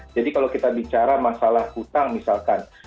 jadi kalau kita bicara masalah hutang misalkan